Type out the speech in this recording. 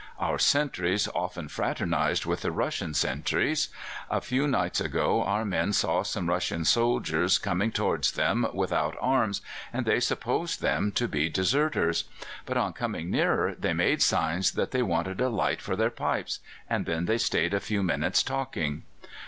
"Our sentries often fraternized with the Russian sentries. A few nights ago our men saw some Russian soldiers coming towards them without arms, and they supposed them to be deserters; but, on coming nearer, they made signs that they wanted a light for their pipes, and then they stayed a few minutes, talking.